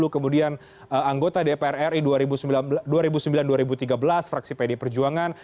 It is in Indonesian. kemudian anggota dpr ri dua ribu sembilan dua ribu tiga belas fraksi pd perjuangan